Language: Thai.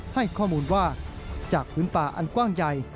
ให้ข้อมูลว่าจากพื้นป่าอันกว้างใหญ่